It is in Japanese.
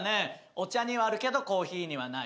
お茶にはあるけどコーヒーにはない。